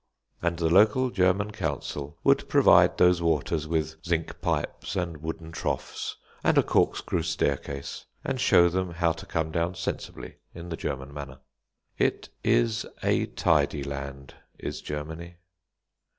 And the local German council would provide those waters with zinc pipes and wooden troughs, and a corkscrew staircase, and show them how to come down sensibly, in the German manner. It is a tidy land is Germany.